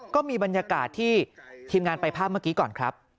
ก็มีบรรยากาศที่ทีมงานไปภาพเมื่อกี้ก่อนครับ